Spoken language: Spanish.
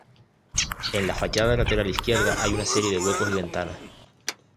En la fachada lateral izquierda hay una serie de huecos y ventanas.